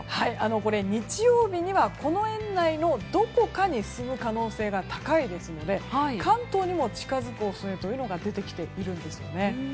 これ日曜日にはこの円内のどこかに進む可能性が高いですので関東にも近づく恐れが出てきているんですね。